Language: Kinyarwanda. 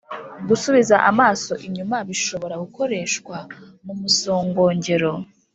Gusubiza amaso inyuma bishobora gukoreshwa mu musogongero